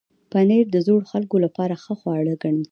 پنېر د زړو خلکو لپاره ښه خواړه ګڼل کېږي.